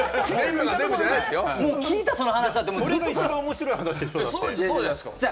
それが一番面白い話でしょ？